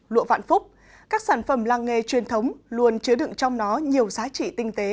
lụa vạn phúc các sản phẩm làng nghề truyền thống luôn chứa đựng trong nó nhiều giá trị tinh tế